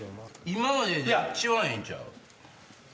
今までで一番ええんちゃう？